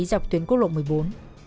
dọc tuyến quốc lộ một mươi bốn